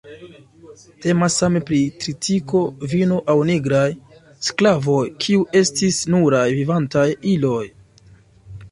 Temas same pri tritiko, vino, aŭ nigraj sklavoj, kiuj estis nuraj "vivantaj iloj".